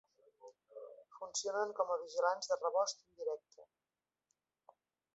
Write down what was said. Funcionen com a vigilants de rebost en directe.